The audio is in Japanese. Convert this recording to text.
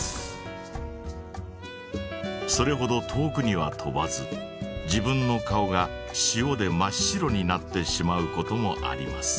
それほど遠くには飛ばず自分の顔が塩で真っ白になってしまうこともあります。